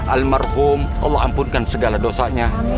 almarhum allah ampunkan segala dosanya